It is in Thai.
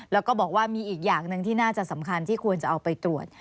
แล้วก็บอกว่ามีอีกอย่างหนึ่งที่น่าจะสำคัญที่ควรจะเอาไปตรวจ